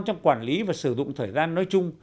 trong quản lý và sử dụng thời gian nói chung